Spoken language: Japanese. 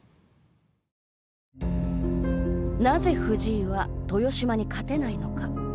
なぜ藤井は豊島に勝てないのか。